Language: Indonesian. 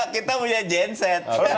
kita punya genset